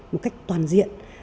một cách toàn diện